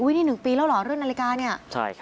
นี่๑ปีแล้วเหรอเรื่องนาฬิกาเนี่ย